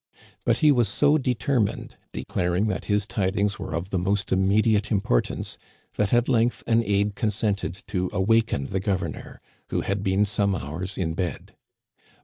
But he was so determined, declaring that his tidings were of the most immediate importance, that at length an aide consented to awaken the governor, who had been some hours in bed.